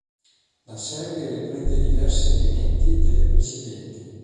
La serie riprende diverse elementi dalle precedenti.